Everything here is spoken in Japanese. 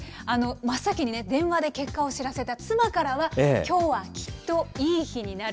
真っ先に電話で結果を知らせた妻からは、きょうはきっといい日になる。